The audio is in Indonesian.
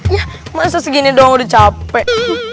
ya masa segini doang udah capek